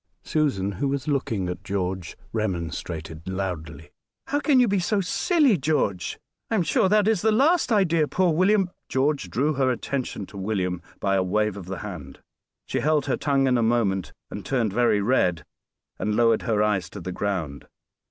Susan, who was looking at George, remonstrated loudly, "How can you be so silly, George! I am sure that is the last idea poor William " George drew her attention to William by a wave of the hand. She held her tongue in a moment, and turned very red, and lowered her eyes to the ground.